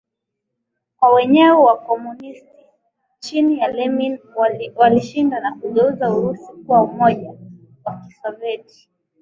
kwa wenyewe Wakomunisti chini ya Lenin walishinda na kugeuza Urusi kuwa Umoja wa Kisoveti